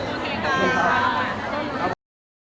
โอเคค่าาา